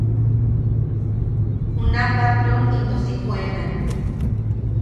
Juna patron into si juʼena.